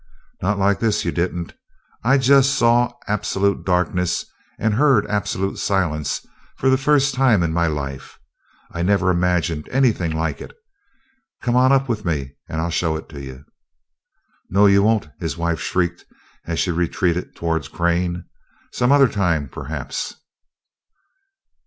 "Not like this, you didn't. I just saw absolute darkness and heard absolute silence for the first time in my life. I never imagined anything like it come on up with me and I'll show it to you." "No you won't!" his wife shrieked as she retreated toward Crane. "Some other time, perhaps."